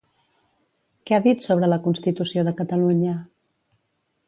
Què ha dit sobre la constitució de Catalunya?